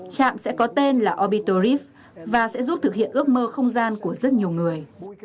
trạm sẽ có tên là opitor riff và sẽ giúp thực hiện ước mơ không gian của rất nhiều người